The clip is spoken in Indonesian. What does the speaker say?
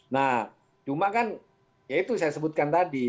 nah cuma kan ya itu saya sebutkan tadi